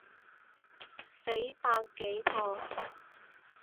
死百幾個